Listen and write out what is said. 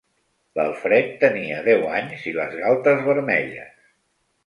L'Alfred tenia deu anys i les galtes vermelles.